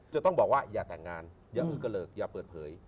จะต้องบอกว่าอย่าแต่งงานอย่าอือกะเลิกอย่าเปิดเผย